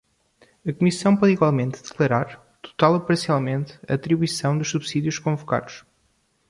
A comissão pode igualmente declarar, total ou parcialmente, a atribuição dos subsídios convocados.